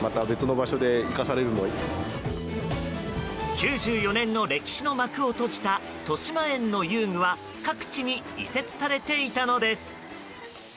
９４年の歴史の幕を閉じたとしまえんの遊具は各地に移設されていたのです。